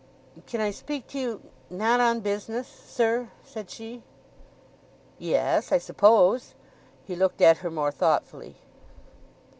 "Can I speak to you—not on business, sir?" said she. "Yes—I suppose." He looked at her more thoughtfully.